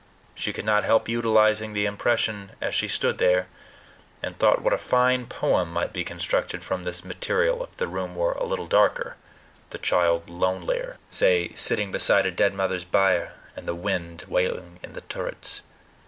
She could not help utilizing the impression as she stood there, and thought what a fine poem might be constructed from this material if the room were a little darker, the child lonelier say, sitting beside a dead mother's bier, and the wind wailing in the turrets.